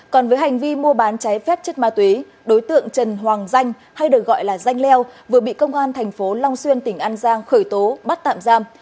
còn với hành vi mua bán trái phép chất ma túy đối tượng trần hoàng danh hay được gọi là danh leo vừa bị công an thành phố long xuyên tỉnh an giang khởi tố bắt tạm giam